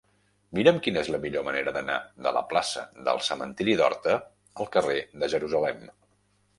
Mira'm quina és la millor manera d'anar de la plaça del Cementiri d'Horta al carrer de Jerusalem.